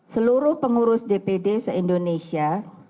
seluruh pengurus dpd se indonesia